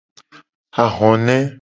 Ahone.